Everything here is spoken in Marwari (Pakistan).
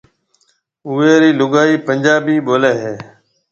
اوئيَ رِي لوگائي پنجابي ٻوليَ ھيََََ